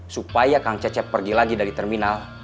supaya kang cecep pergi lagi dari terminal